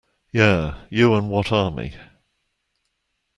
Yeah, you and what army?